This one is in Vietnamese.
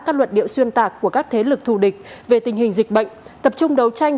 các luật điệu xuyên tạc của các thế lực thù địch về tình hình dịch bệnh tập trung đấu tranh